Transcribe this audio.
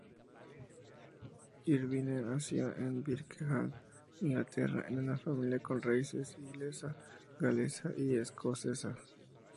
Irvine nació en Birkenhead, Inglaterra, en una familia con raíces inglesa, galesa y escocesa.